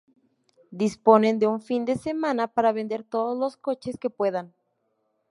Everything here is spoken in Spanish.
Disponen de un fin de semana para vender todos los coches que puedan.